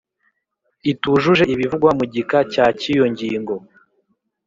itujuje ibivugwa mu gika cya cy iyo ngingo